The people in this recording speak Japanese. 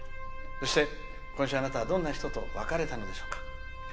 そして、今週あなたはどんな人と別れたのでしょうか。